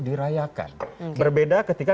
dirayakan berbeda ketika